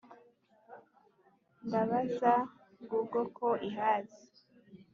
ndabaza google ko ihazi